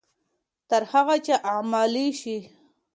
تر هغه چې عملي شي.